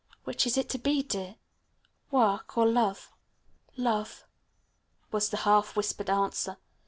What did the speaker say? Which is to be, dear; work or love?" "Love," was the half whispered answer.